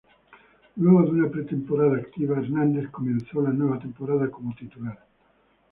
Luego de una pretemporada activa, Hernández comenzó la nueva temporada como titular.